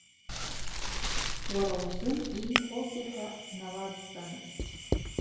Уара узын ииҳәозеи ҳәа дналазҵааит.